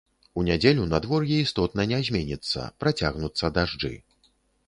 У нядзелю надвор'е істотна не зменіцца, працягнуцца дажджы.